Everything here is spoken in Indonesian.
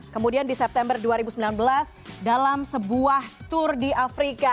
kemudian di september dua ribu sembilan belas dalam sebuah tour di afrika